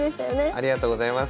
ありがとうございます。